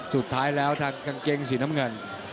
สุดท้ายแล้วทางกางเกงสีน้ำเงิน